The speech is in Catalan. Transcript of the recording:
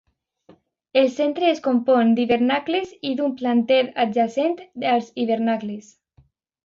El centre es compon d'hivernacles, i d'un planter adjacent als hivernacles.